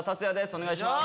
お願いします。